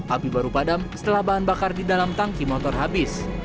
api baru padam setelah bahan bakar di dalam tangki motor habis